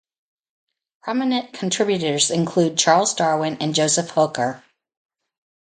Prominent contributors included Charles Darwin and Joseph Hooker.